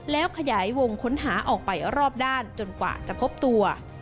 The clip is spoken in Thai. แล้วขยายวงค้นหาออกไปรอบด้านจนกว่าจะพบตัว